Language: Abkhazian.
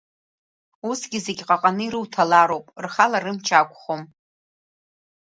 Усгьы зегь ҟаҟаны ируҭалароуп, рхала рымч ақәхом!